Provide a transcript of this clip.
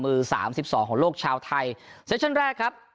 สามสิบสองของโลกชาวไทยเซชั่นแรกครับ